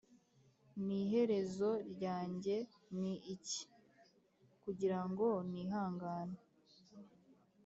n’iherezo ryanjye ni iki, kugira ngo nihangane’